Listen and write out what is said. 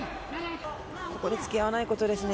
ここでつきあわないことですね。